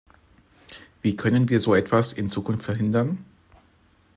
Wie können wir so etwas in Zukunft verhindern?